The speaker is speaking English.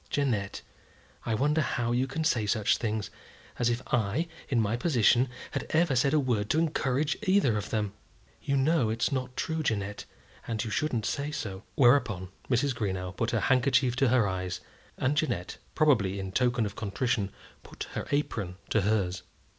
"Jeannette, I wonder how you can say such things; as if I, in my position, had ever said a word to encourage either of them. You know it's not true, Jeannette, and you shouldn't say so." Whereupon Mrs. Greenow put her handkerchief to her eyes, and Jeannette, probably in token of contrition, put her apron to hers.